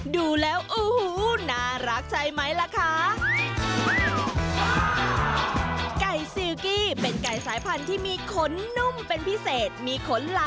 ดูแล้วอู้หู้น่ารักใช่ไหมแหละค่ะ